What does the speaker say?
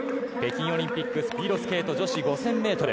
北京オリンピックスピードスケート女子５０００ｍ。